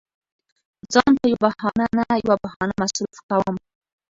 ځان په يوه بهانه نه يوه بهانه مصروف کوم.